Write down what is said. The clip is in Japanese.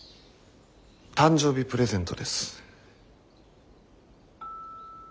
誕生日プレゼントです。